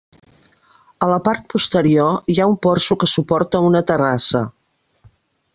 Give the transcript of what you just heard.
A la part posterior hi ha un porxo que suporta una terrassa.